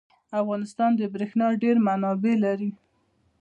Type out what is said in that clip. افغانستان د بریښنا ډیر منابع لري.